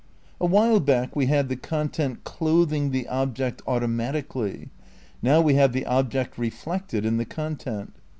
A while back we had the content "clothing" the ob ject "automatically," now we have the object "reflect ed" in the content.